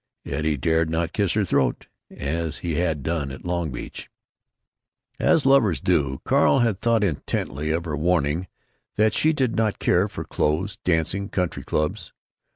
Yet he dared not kiss her throat, as he had done at Long Beach. As lovers do, Carl had thought intently of her warning that she did care for clothes, dancing, country clubs.